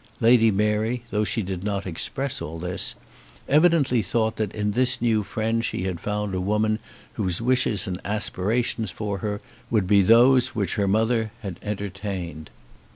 Lady Mary, though she did not express all this, evidently thought that in this new friend she had found a woman whose wishes and aspirations for her would be those which her mother had entertained.